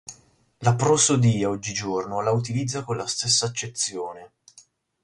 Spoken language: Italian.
La prosodia oggigiorno la utilizza con la stessa accezione.